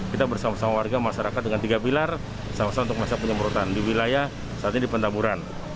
kita bersama sama warga masyarakat dengan tiga pilar sama sama untuk masa penyemprotan di wilayah saat ini di petamburan